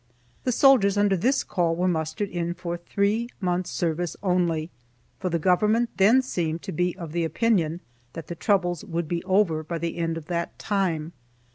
The soldiers under this call were mustered in for three months' service only, for the government then seemed to be of the opinion that the troubles would be over by the end of that time.